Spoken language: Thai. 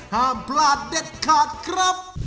ห้ามพลาดเด็ดขาดครับ